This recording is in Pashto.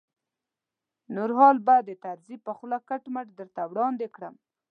نور حال به د طرزي په خوله کټ مټ درته وړاندې کړم.